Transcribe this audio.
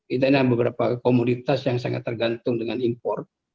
kita ada beberapa komoditas yang sangat tergantung dengan impor